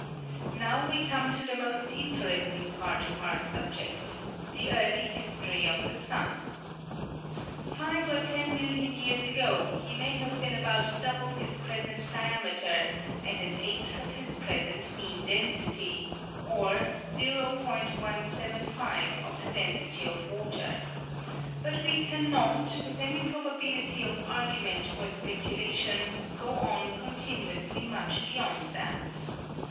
'' Now we come to the most interesting part of our subject ŌĆö the early history of the sun. Five or ten million years ago he may have been about double his present diameter and an eighth of his present mean density, or .175 of the density of water; but we cannot, with any probability of argument or speculation, go on continously much beyond that.